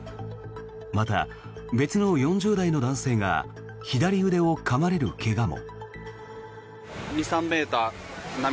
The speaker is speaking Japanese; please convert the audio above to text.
また、別の４０代の男性が左腕をかまれる怪我も。